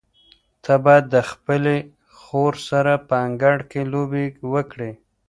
ته باید د خپلې خور سره په انګړ کې لوبې وکړې.